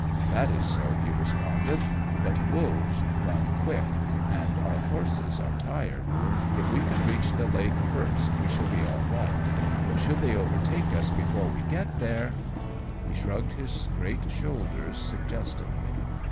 "'That is so,' he responded, 'but wolves run quick, and our horses are tired. If we can reach the lake first we shall be all right, but should they overtake us before we get there ' and he shrugged his great shoulders suggestively.